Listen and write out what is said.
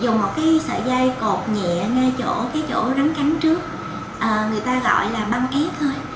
dùng một sợi dây cột nhẹ ngay chỗ rắn cắn trước người ta gọi là băng ép thôi